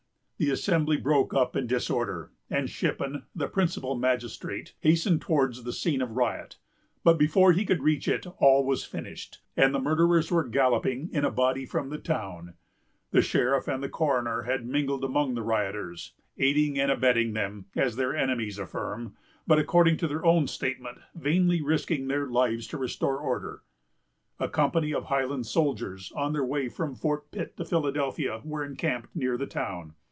The assembly broke up in disorder, and Shippen, the principal magistrate, hastened towards the scene of riot; but, before he could reach it, all was finished, and the murderers were galloping in a body from the town. The sheriff and the coroner had mingled among the rioters, aiding and abetting them, as their enemies affirm, but, according to their own statement, vainly risking their lives to restore order. A company of Highland soldiers, on their way from Fort Pitt to Philadelphia, were encamped near the town.